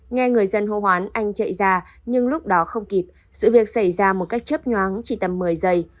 nghe người dân hô hoán anh chạy ra nhưng lúc đó không kịp sự việc xảy ra một cách chấp nhoáng chỉ tầm một mươi giây